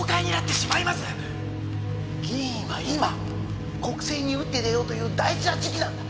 議員は今国政に打って出ようという大事な時期なんだ。